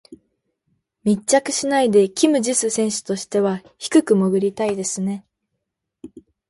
密着しないでキム・ジス選手としては低く潜りたいですね。